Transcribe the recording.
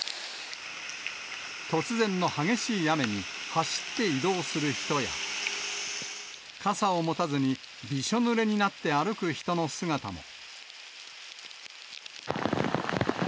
突然の激しい雨に、走って移動する人や、傘を持たずにびしょぬれになって歩く人の姿も。